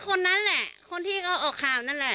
คนนั้นแหละคนที่ก็ออกข่าวนั่นแหละ